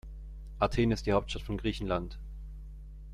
Athen ist die Hauptstadt von Griechenland.